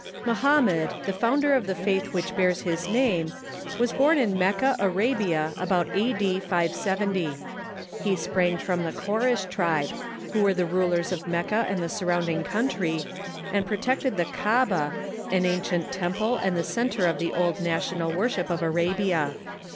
] Mohammed, the founder of the faith which beai's his name, Avas born in Mecca, Arabia, about a.d. 570. He sprang from the Coreish tribe, who were the rulers of Mecca and the surrounding country, and protected the Kaaba, an ancient temple and the centre of the old national worship of Arabia.